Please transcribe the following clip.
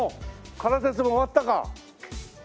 カラ鉄も終わったか。